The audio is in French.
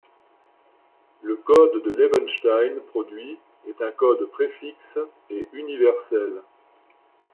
Le code de Levenshtein produit est un code préfixe et universel.